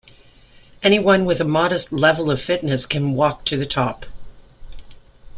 Anyone with a modest level of fitness can walk to the top.